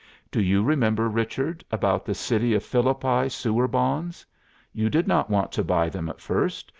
Do you remember, Richard, about the City of Philippi Sewer Bonds? You did not want to buy them at first.